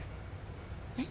えっ？